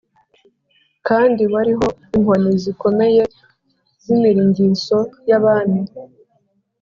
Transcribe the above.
Kandi wariho inkoni zikomeye z’imiringiso y’abami